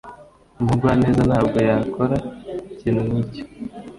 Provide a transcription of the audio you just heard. Umugwaneza ntabwo yakora ikintu nkicyo.